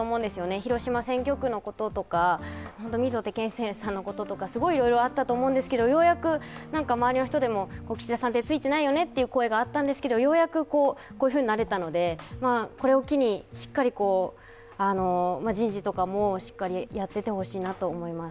広島選挙区のこととか、溝手顕正さんのこととかいろいろあったと思うんですけど、岸田さんってツイてないよねってことがあったと思うんですけどようやくこういうふうになれたのでこれを機に人事とかもしっかりやっていってほしいなと思います。